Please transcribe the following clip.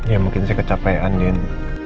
ya mungkin saya kecapean yan